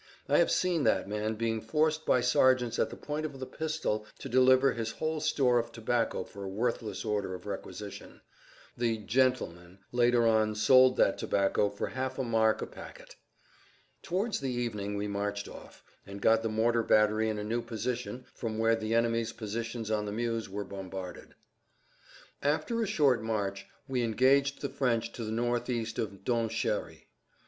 I have seen that man being forced by sergeants at the point of the pistol to deliver his whole store of tobacco for a worthless order of requisition. The "gentlemen" later on sold that tobacco for half a mark a packet. Towards the evening we marched off, and got the mortar battery in a new position from where the enemy's positions on the Meuse were bombarded. After a short march we engaged the French to the northeast of Donchéry.